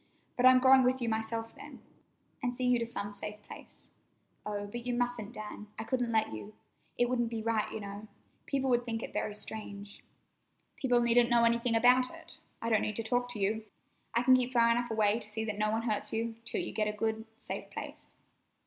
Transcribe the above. "But I'm going with you myself, then, and see you to some safe place." "Oh, but you mustn't, Dan. I couldn't let you. It wouldn't be right, you know. People would think it very strange." "People needn't know anything about it. I don't need to talk to you. I can keep far enough away to see that no one hurts you, till you get a good, safe place."